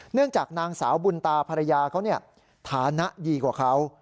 เนื่องจากนางสาวบุญตาภรรยาเขาฐานะดีกว่าเขา